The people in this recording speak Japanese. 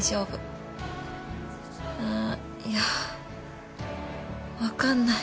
いや分かんない。